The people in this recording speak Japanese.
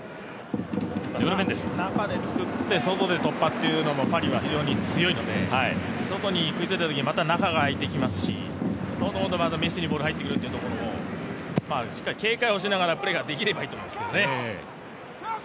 中で作って外で突破というのもパリは非常に強いので外にいったときに、また中があいてきますし、メッシにボールが入ってくるというところもしっかり警戒をしながらプレーができればいいと思いますけどね。